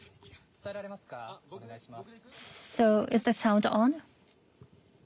伝えられますか、お願いします。